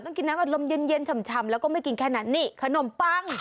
กินน้ำอารมณ์เย็นฉ่ำแล้วก็ไม่กินแค่นั้นนี่ขนมปัง